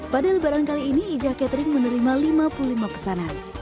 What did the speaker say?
pada lebaran kali ini ija catering menerima lima puluh lima pesanan